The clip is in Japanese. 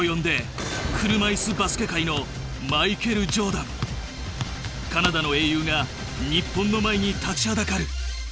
人呼んでカナダの英雄が日本の前に立ちはだかる！